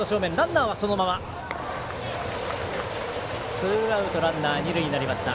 ツーアウトランナー、二塁になりました。